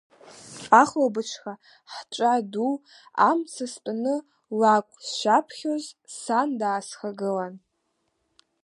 Ахәылбыҽха ҳҵәа ду амҵа стәаны лакәк сшаԥхьоз, сан даасхагылан…